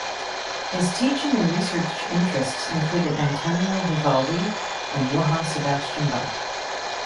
His teaching and research interests included Antonio Vivaldi and Johann Sebastian Bach.